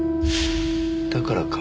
だからか。